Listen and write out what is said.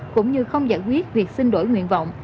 cũng như không giải quyết việc xin đổi nguyện vọng